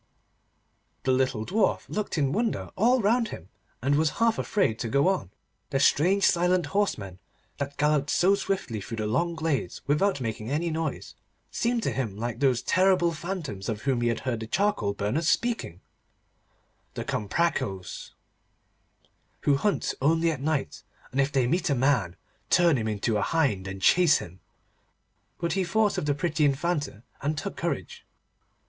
The little Dwarf looked in wonder all round him, and was half afraid to go on. The strange silent horsemen that galloped so swiftly through the long glades without making any noise, seemed to him like those terrible phantoms of whom he had heard the charcoal burners speaking—the Comprachos, who hunt only at night, and if they meet a man, turn him into a hind, and chase him. But he thought of the pretty Infanta, and took courage.